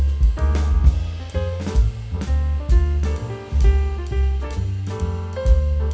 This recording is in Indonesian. kenapa kamu melihat atau mengelakkan teman tuhan hastad